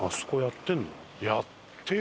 やってる？